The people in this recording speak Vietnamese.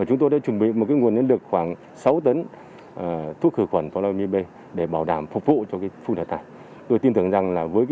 chúng tôi đã chuẩn bị nguồn nhân lực khoảng sáu tấn thuốc khử khuẩn